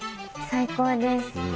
最高です。